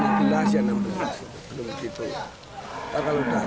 para pedagang memperkirakan penjualan sapi di pasar hewan purwakarta